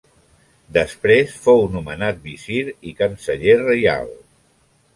Després fou nomenat visir i canceller reial.